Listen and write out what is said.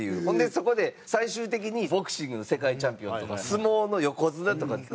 ほんでそこで最終的にボクシングの世界チャンピオンとか相撲の横綱とか。